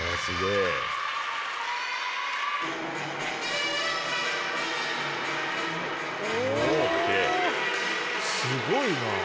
すごいな。